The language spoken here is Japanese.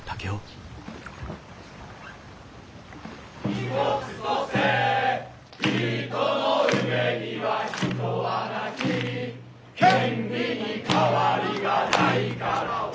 「一つとせ人の上には人はなき」「権利に変わりがないからは」